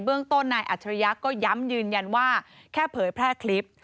ต้นนายอัจฉริยะก็ย้ำยืนยันว่าแค่เผยแพร่คลิป